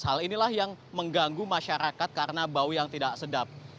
hal inilah yang mengganggu masyarakat karena bau yang tidak sedap